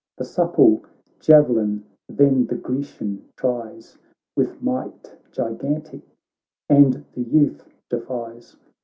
The supple javelin then the Grecian tries With might gigantic, and the youth defies.